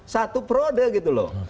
satu perode gitu loh